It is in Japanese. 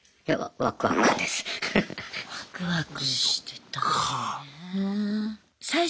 ワクワクしてたのね。